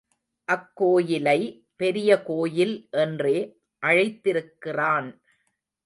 அக்கோயிலை பெரிய கோயில் என்றே அழைத்திருக்கிறான்.